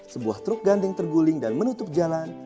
sebuah truk gandeng terguling dan menutup jalan